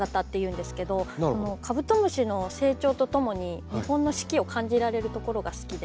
カブトムシの成長とともに日本の四季を感じられるところが好きで。